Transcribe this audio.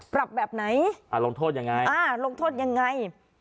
ปรับแบบไหนอ่าลงโทษยังไงอ่าลงโทษยังไง